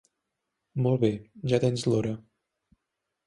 Molt bé, ja tens l'hora.